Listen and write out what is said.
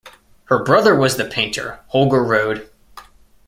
Her brother was the painter Holger Roed.